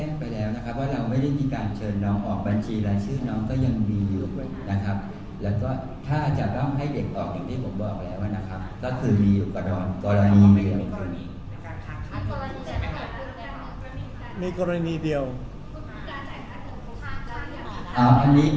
อันนี้ผมไม่สามารถพูดได้ครับต้องพูดเป็นเรื่องทางเงิน